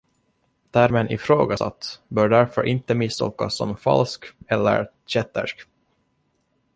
Termen ”ifrågasatt” bör därför inte misstolkas som ”falsk” eller ”kättersk”.